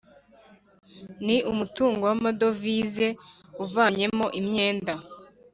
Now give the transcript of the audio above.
ni umutungo w amadovize uvanyemo imyenda